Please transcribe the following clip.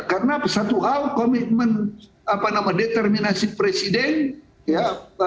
karena satu hal komitmen apa namanya determinasi presiden ya